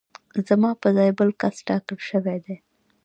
زما په ځای بل کس ټاکل شوی دی